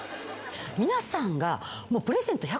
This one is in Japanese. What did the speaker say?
皆さんが。